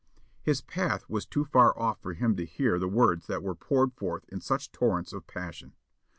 His path was too far off for him to hear the words that were poured forth in such torrents of passion.